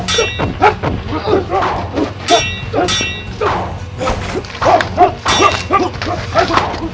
tapi kebetulan quiuuu